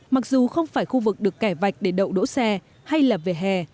mặc dù không phải khu vực được kẻ vạch để đậu đỗ xe hay là về hè